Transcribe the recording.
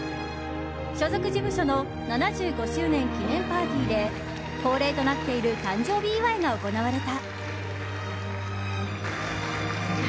所属事務所の７５周年記念パーティーで恒例となっている誕生日祝いが行われた。